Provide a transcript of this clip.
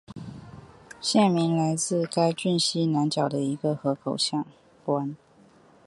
县名来自该郡西南角的一个河口港湾。